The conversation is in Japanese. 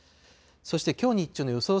そしてきょう日中の予想